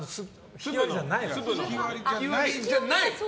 ひきわりじゃない。